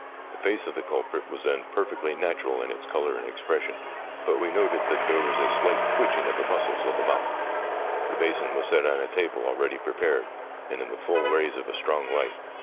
The face of the culprit was then perfectly natural in its colour and expression, but we noted that there was a slight twitching of the muscles of the mouth. The basin was set on a table all ready prepared, and in the full rays of a strong light.